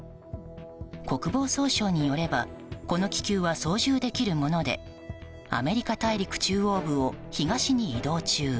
国防総省によればこの偵察用気球は操縦できるものでアメリカ大陸中央部を東に移動中。